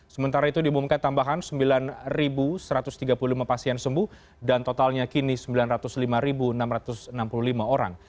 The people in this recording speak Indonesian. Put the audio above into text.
sementara itu diumumkan tambahan sembilan satu ratus tiga puluh lima pasien sembuh dan totalnya kini sembilan ratus lima enam ratus enam puluh lima orang